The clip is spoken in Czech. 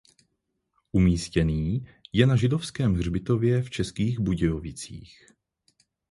Umístěný je na Židovském hřbitově v Českých Budějovicích.